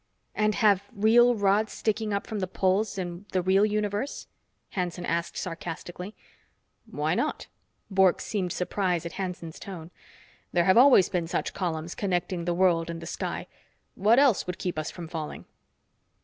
"And have real rods sticking up from the poles in the real universe?" Hanson asked sarcastically. "Why not?" Bork seemed surprised at Hanson's tone. "There have always been such columns connecting the world and the sky. What else would keep us from falling?"